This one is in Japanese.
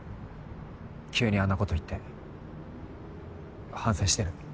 急にあんなこと言って反省してる。